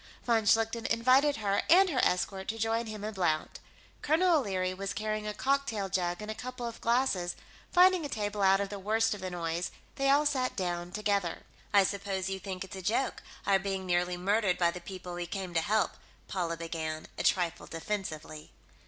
Von Schlichten invited her and her escort to join him and Blount. Colonel O'Leary was carrying a cocktail jug and a couple of glasses; finding a table out of the worst of the noise, they all sat down together. "I suppose you think it's a joke, our being nearly murdered by the people we came to help," Paula began, a trifle defensively.